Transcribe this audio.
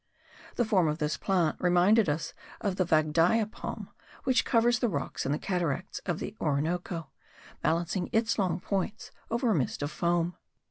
The form of this plant reminded us of the vadgiai palm tree which covers the rocks in the cataracts of the Orinoco, balancing its long points over a mist of foam.